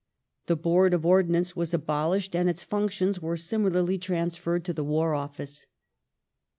The Board of Ordnance was abolished and its ./ functions were similarly transferred to the War Office.